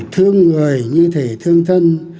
thương người như thể thương thân